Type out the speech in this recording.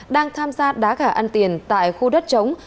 đang tham gia đá gà ăn tiền tại khu đất chống